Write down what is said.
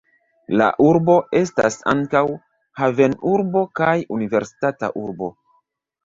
La urbo estas ankaŭ havenurbo kaj universitata urbo.